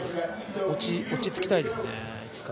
落ち着きたいですね、１回。